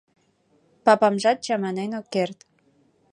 Папамжат чаманен ок керт